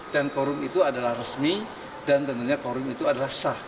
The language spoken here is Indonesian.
dan korum itu adalah resmi dan tentunya korum itu adalah sah